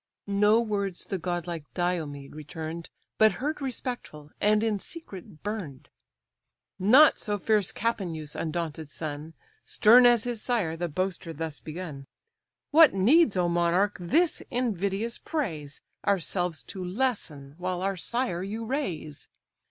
No words the godlike Diomed return'd, But heard respectful, and in secret burn'd: Not so fierce Capaneus' undaunted son; Stern as his sire, the boaster thus begun: "What needs, O monarch! this invidious praise, Ourselves to lessen, while our sire you raise?